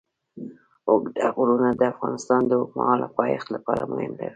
اوږده غرونه د افغانستان د اوږدمهاله پایښت لپاره مهم رول لري.